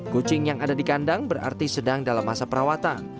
kucing yang ada di kandang berarti sedang dalam masa perawatan